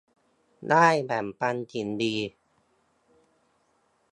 ได้แบ่งปันสิ่งดี